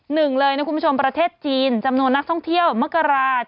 หนึ่งเลยนะคุณผู้ชมประเทศจีนจำนวนนักท่องเที่ยวมกราศ